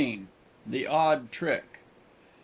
THE ODD TRICK XV.